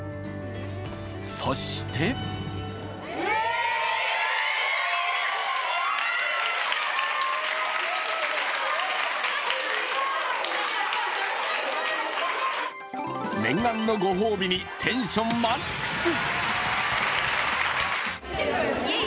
そして念願のご褒美にテンションマックス。